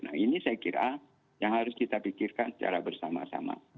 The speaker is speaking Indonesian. nah ini saya kira yang harus kita pikirkan secara bersama sama